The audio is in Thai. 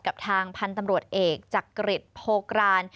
กับทางพันธุ์ตำรวจเอกจักริจโพกราน